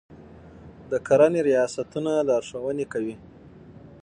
د کرنې ریاستونه لارښوونې کوي.